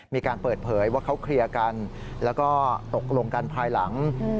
มีการเปิดเผยว่าเขาเคลียร์กันแล้วก็ตกลงกันภายหลัง